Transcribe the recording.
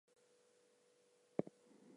A fire was built in front of the council-house.